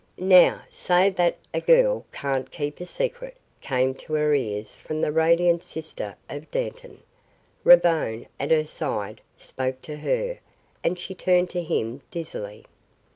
"Now, say that a girl can't keep a secret," came to her ears from the radiant sister of Dantan. Ravone, at her side, spoke to her, and she turned to him dizzily.